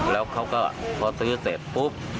แล้วเขาก็พอซื้อเสร็จปุ๊บ